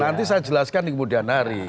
nanti saya jelaskan di kemudian hari